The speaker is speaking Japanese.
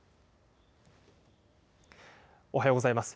おはようございます。